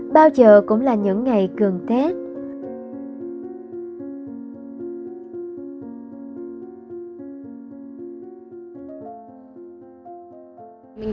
bao giờ cũng là những ngày cường thét